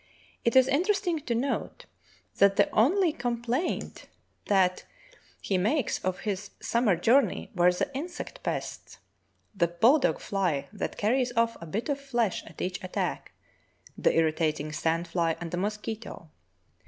It is interesting to note that the only complaint that 1 8 True Tales of Arctic Heroism he makes of his summer journey were the insect pescs — the bull dog fly that carries off a bit of flesh at each attack, the irritating sand fly, and the mosquito.